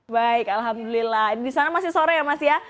baik alhamdulillah di sana masih sore ya mas ya